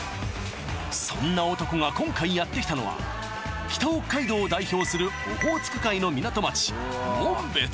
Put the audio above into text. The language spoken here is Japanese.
そんな男が今回やってきたのは北北海道を代表するオホーツク海の港町紋別